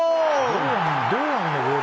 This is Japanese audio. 堂安のゴール。